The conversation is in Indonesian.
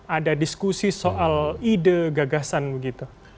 ada diskusi soal ide gagasan begitu